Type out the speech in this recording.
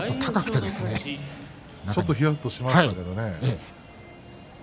ちょっとひやっとしましたけどね。